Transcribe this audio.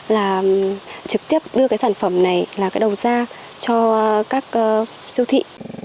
là trực tiếp đưa cái sản phẩm này là cái đầu ra cho các siêu thị